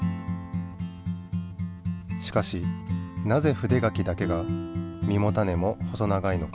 しかしなぜ筆柿だけが実も種も細長いのか？